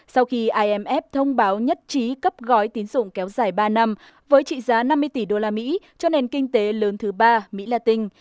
sau khi imf thông báo nhất trí cấp gói tiến dụng kéo dài ba năm với trị giá năm mươi tỷ usd cho nền kinh tế lớn thứ ba mỹ latinh